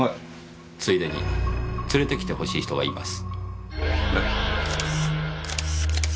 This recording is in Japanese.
ついでに連れてきて欲しい人がいます。